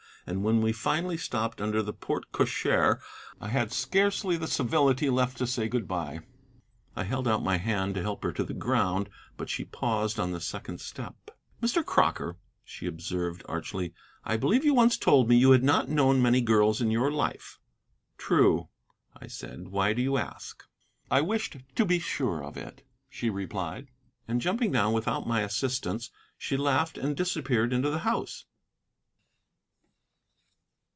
And when we finally stopped under the porte cochere I had scarcely the civility left to say good bye. I held out my hand to help her to the ground, but she paused on the second step. "Mr. Crocker," she observed archly, "I believe you once told me you had not known many girls in your life." "True," I said; "why do you ask?" "I wished to be sure of it," she replied. And jumping down without my assistance, she laughed and disappeared into the house.